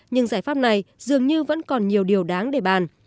nhưng giải pháp này dường như vẫn còn nhiều điều đáng để bàn